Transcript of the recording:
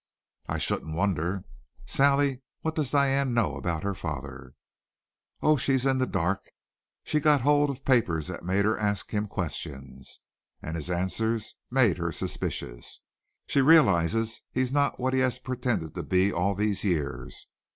"I shouldn't wonder. Sally, what does Diane know about her father?" "Oh, she's in the dark. She got hold of papers that made her ask him questions. And his answers made her suspicious. She realizes he's not what he has pretended to be all these years.